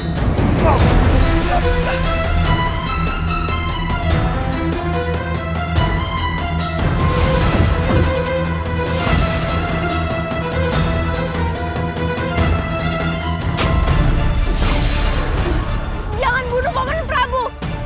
jangan bunuh paman prabu